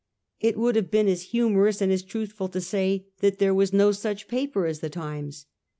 It would have been as humorous and as truthful to say that there was no such paper as the Times.